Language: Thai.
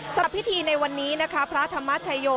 สำหรับพิธีในวันนี้นะคะพระธรรมชโย